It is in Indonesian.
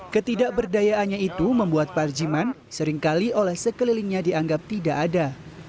ketidakberdayaannya itu membuat parjiman seringkali oleh sekelilingnya dianggap tidak ada